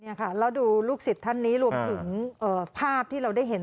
แล้วดูลูกศิษย์ท่านนี้รวมถึงภาพที่เราได้เห็น